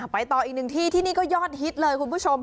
ต่ออีกหนึ่งที่ที่นี่ก็ยอดฮิตเลยคุณผู้ชม